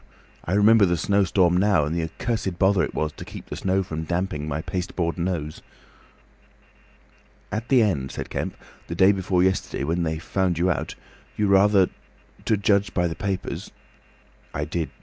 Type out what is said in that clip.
I remember the snowstorm now, and the accursed bother it was to keep the snow from damping my pasteboard nose." "At the end," said Kemp, "the day before yesterday, when they found you out, you rather—to judge by the papers—" "I did.